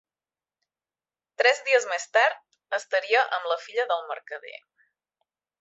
Tres dies més tard, estaria amb la filla del mercader.